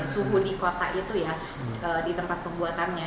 suhu di kota itu ya di tempat pembuatannya